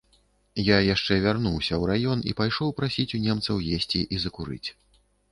Я яшчэ вярнуўся ў раён і пайшоў прасіць у немцаў есці і закурыць.